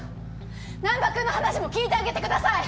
難破君の話も聞いてあげてください！